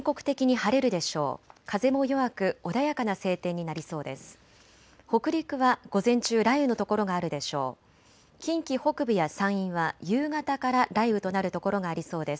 風も弱く穏やかな晴天になりそうです。